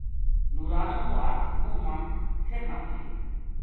نورعالم کو ہتھ منہ ما فر نپ لیو